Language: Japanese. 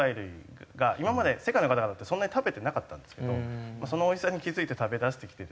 今まで世界の方々ってそんなに食べてなかったんですけどそのおいしさに気付いて食べだしてきてる。